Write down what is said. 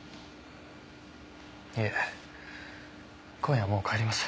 いえ今夜はもう帰ります。